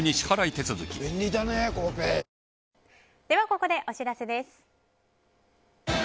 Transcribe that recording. ここでお知らせです。